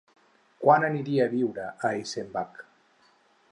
Quan aniria a viure a Eisenbach?